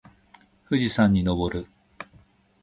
富士山にのぼる。